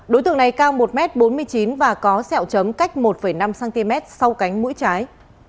đối tượng này cao một m bốn mươi chín và có sẹo chấm cách một năm cm sau cánh mũi trái